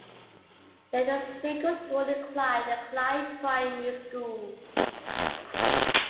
There is a single school in Clyde, the Clyde Primary School.